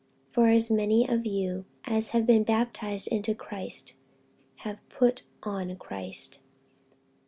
48:003:027 For as many of you as have been baptized into Christ have put on Christ.